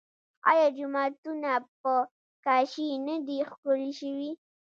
آیا جوماتونه په کاشي نه دي ښکلي شوي؟